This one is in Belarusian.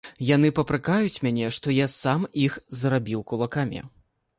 Яны папракаюць мяне, што я сам іх зрабіў кулакамі.